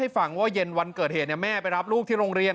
ฟังว่าเย็นวันเกิดเหตุแม่ไปรับลูกที่โรงเรียน